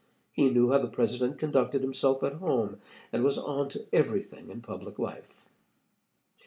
He knew how the President conducted himself at home, and was 'on to everything' in public life.